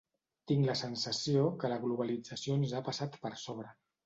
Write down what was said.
Tinc la sensació que la globalització ens ha passat per sobre.